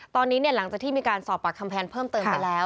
ตอนนี้หลังจากที่มีการสอบปากคำแพนเพิ่มเติมไปแล้ว